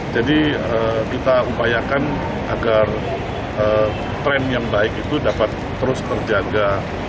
jadi kita upayakan agar tren yang baik itu dapat terus berjaga